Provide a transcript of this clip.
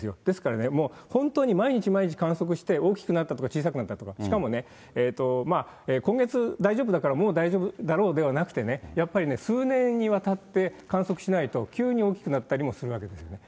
ですからね、本当に毎日毎日観測して、大きくなったとか小さくなったとか、しかもね、今月大丈夫だから、もう大丈夫だろうではなくてね、やっぱりね、数年にわたって観測しないと、急に大きくなったりもするわけですよ。